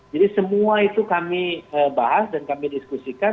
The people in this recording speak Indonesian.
jadi semua itu kami bahas dan kami diskusikan